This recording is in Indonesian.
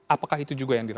apakah itu juga menjabat